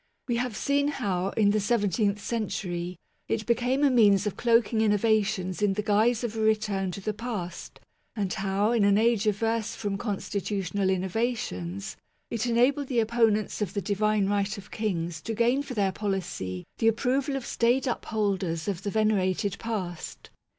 We have seen how, in the seventeenth century, it became a means of cloaking innovations in the guise of a return to the past, and how in an age averse from constitu tional innovations, it enabled the opponents of the Divine Right of Kings to gain for their policy the approval of staid upholders of the venerated past.